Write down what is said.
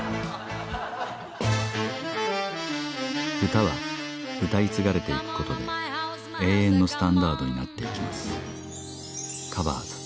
歌は歌い継がれていくことで永遠のスタンダードになっていきます